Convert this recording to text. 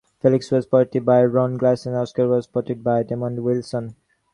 Felix was portrayed by Ron Glass and Oscar was portrayed by Demond Wilson.